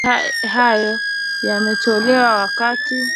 Matamshi hayo yametolewa wakati